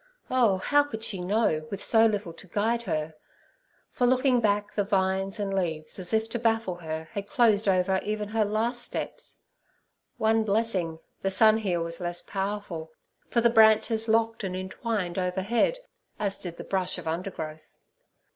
Oh, how could she know, with so little to guide her? For, looking back, the vines and leaves, as if to baffle her, had closed over even her last steps. One blessing, the sun here was less powerful, for the branches locked and entwined overhead, as did the brush of undergrowth.